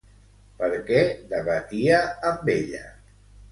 Per què debatia amb ella?